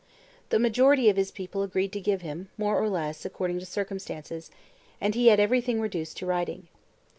The majority of his people agreed to give him, more or less, according to circumstances; and he had everything reduced to writing."